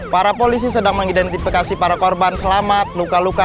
para polisi sedang mengidentifikasi para korban selamat luka luka